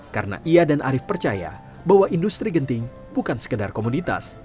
karena ia dan arief percaya bahwa industri genting bukan sekedar komunitas